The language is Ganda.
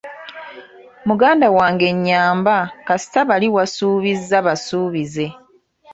Muganda wange nnyamba kasita bali wasuubiza basuubize.